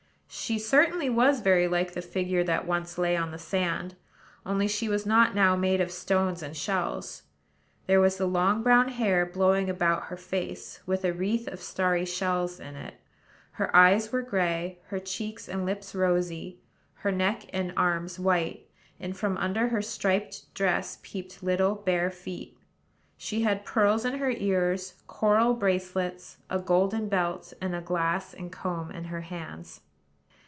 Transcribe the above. She certainly was very like the figure that once lay on the sand, only she was not now made of stones and shells. There was the long brown hair blowing about her face, with a wreath of starry shells in it. Her eyes were gray, her cheeks and lips rosy, her neck and arms white; and from under her striped dress peeped little bare feet. She had pearls in her ears, coral bracelets, a golden belt, and a glass and comb in her hands.